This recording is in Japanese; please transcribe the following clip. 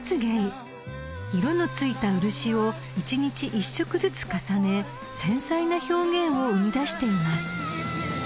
［色の付いた漆を一日１色ずつ重ね繊細な表現を生み出しています］